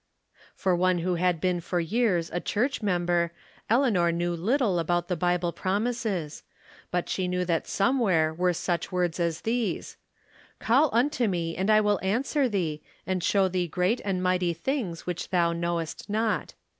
For one who had been for years a church mem ber Eleanor knew little about the Bible prom ises; but she knew that somewhere were such words as these :" CaU unto me and I will an swer thee, and show thee great and mighty things which thou knowest not."